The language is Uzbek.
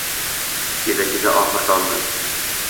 Keza-keza oxir toldi